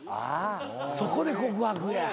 そこで告白や。